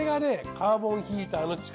カーボンヒーターの力